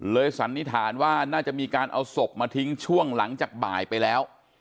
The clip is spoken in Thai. สันนิษฐานว่าน่าจะมีการเอาศพมาทิ้งช่วงหลังจากบ่ายไปแล้ว